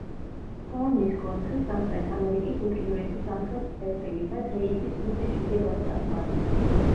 ჰორნის კონცხი სამხრეთ ამერიკის უკიდურესი სამხრეთ წერტილი და დრეიკის სრუტის ჩრდილოეთ საზღვარია.